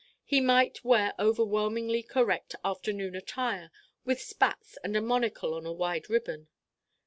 He might wear overwhelmingly correct afternoon attire, with spats and a monocle on a wide ribbon.